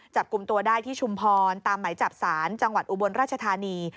จับกลุ่มตัวได้ที่ชุมพรตามไหมจับศาลจังหวัดอุบลราชธานี